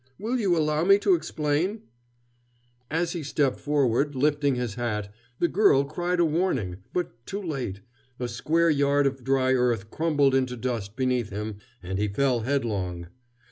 "Will you allow me to explain " As he stepped forward, lifting his hat, the girl cried a warning, but too late; a square yard of dry earth crumbled into dust beneath him, and he fell headlong.